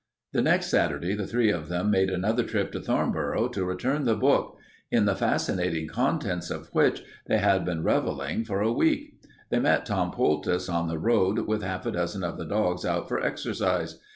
The next Saturday the three of them made another trip to Thornboro to return the book, in the fascinating contents of which they had been reveling for a week. They met Tom Poultice on the road with half a dozen of the dogs out for exercise.